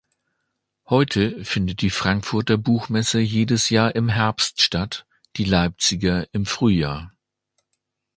Heute findet die Frankfurter Buchmesse jedes Jahr im Herbst statt, die Leipziger im Frühjahr.